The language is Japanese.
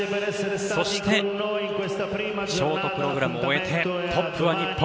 そしてショートプログラム終えてトップは日本。